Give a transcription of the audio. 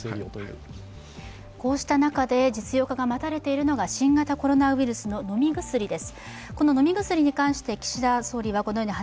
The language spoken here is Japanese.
こうした中で実用化が待たれているのが新型コロナウイルスの飲み薬です。